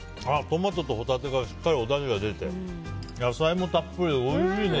トマトとホタテがしっかりおだしが出て野菜もたっぷりでおいしいね。